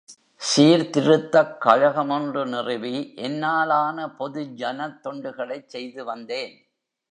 சீர்திருத்தக் கழகமொன்று நிறுவி என்னாலான பொது ஜனத் தொண்டுகளைச் செய்து வந்தேன்.